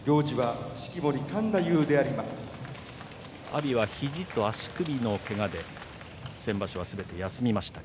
阿炎は肘と足首のけがで先場所はすべて休みました。